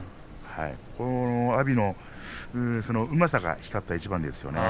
この阿炎のうまさが光った一番ですね。